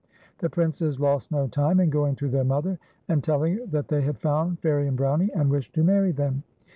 The Princes lost no time in going to their mother, and telling her that they had found Fairie and Brownie, and wished to marry them.